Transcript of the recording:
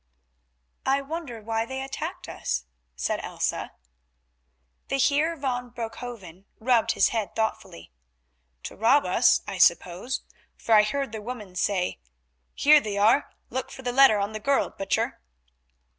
"I wonder why they attacked us," said Elsa. The Heer van Broekhoven rubbed his head thoughtfully. "To rob us, I suppose, for I heard the woman say, 'Here they are; look for the letter on the girl, Butcher.